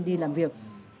đi làm việc